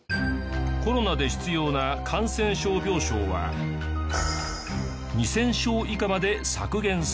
コロナで必要な感染症病床は２０００床以下まで削減された。